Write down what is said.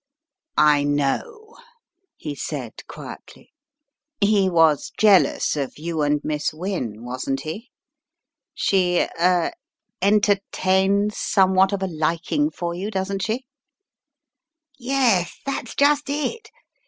"I know," he said, quietly, "he was jealous of you and Miss Wynne, wasn't he? She — er — entertains somewhat of a liking for you, doesn't she?" "Yes, that's just it.